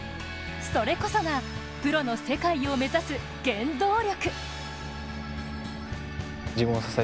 それこそがプロの世界を目指す原動力。